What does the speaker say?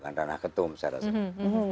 bukan ranah ketum secara secara secara